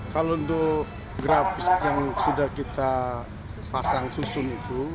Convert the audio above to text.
kalau untuk grab yang sudah kita pasang susun itu